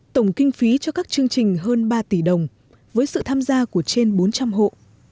tổng kinh phí cho các chương trình hơn ba tỷ đồng với sự tham gia của trên bốn trăm linh hộ